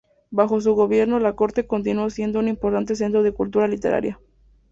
Bajo su gobierno la corte continuó siendo un importante centro de cultura literaria.